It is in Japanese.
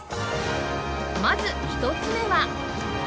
まず１つ目は